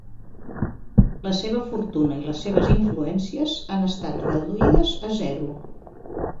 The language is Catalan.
La seva fortuna i les seves influències han estat reduïdes a zero.